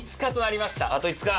あと５日！